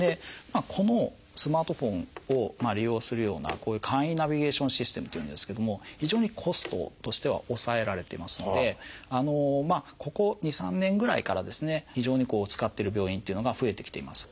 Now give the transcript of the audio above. このスマートフォンを利用するようなこういう「簡易ナビゲーションシステム」っていうんですけども非常にコストとしては抑えられてますのでここ２３年ぐらいからですね非常に使ってる病院っていうのが増えてきています。